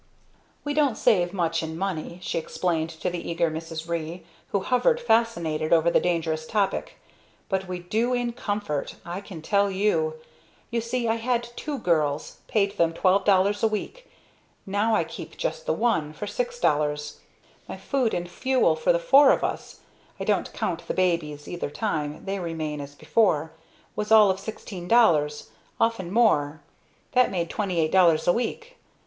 "We don't save much in money," she explained to the eager Mrs. Ree, who hovered, fascinated, over the dangerous topic, "but we do in comfort, I can tell you. You see I had two girls, paid them $12 a week; now I keep just the one, for $6. My food and fuel for the four of us (I don't count the babies either time they remain as before), was all of $16, often more. That made $28 a week.